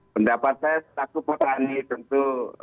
pendapat saya setaku potani tentu